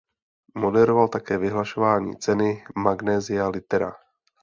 Moderoval také vyhlašování ceny Magnesia Litera.